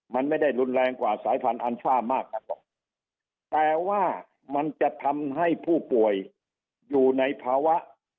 มันไม่ได้รุนแรงกว่าสายพันธุอัลฟ่ามากนักหรอกแต่ว่ามันจะทำให้ผู้ป่วยอยู่ในภาวะ